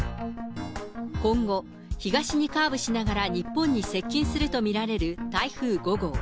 今後、東にカーブしながら日本に接近すると見られる台風５号。